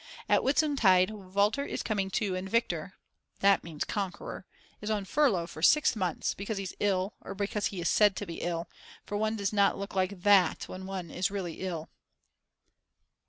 At Whitsuntide Walter is coming too and Viktor (that means conqueror) is on furlough for 6 months, because he's ill, or because he is said to be ill; for one does not look like that when one is really ill.